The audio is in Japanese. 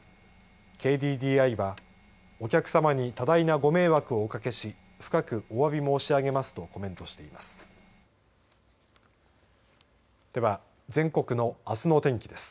ＫＤＤＩはお客様に多大なご迷惑をおかけし深くおわび申し上げますとコメントしています。